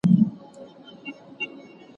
سیال هیواد سیاسي پناه نه ورکوي.